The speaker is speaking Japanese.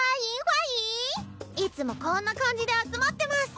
いつもこんな感じで集まってます！